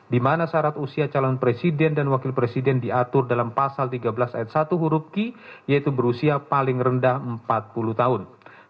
di mana syarat usia calon presiden dan wakil presiden diatur dalam pasal tiga belas ayat satu huruf ki yaitu berusia paling rendah empat puluh tahun